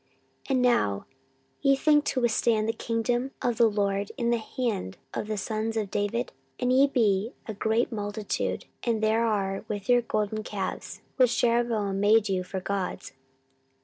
14:013:008 And now ye think to withstand the kingdom of the LORD in the hand of the sons of David; and ye be a great multitude, and there are with your golden calves, which Jeroboam made you for gods.